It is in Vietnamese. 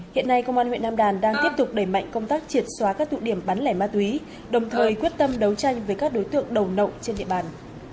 hiện nay công an huyện nam đàn đang tiếp tục đẩy mạnh công tác triệt xóa các tụ điểm bán lẻ ma túy đồng thời quyết tâm đấu tranh với các đối tượng đầu nậu trên địa bàn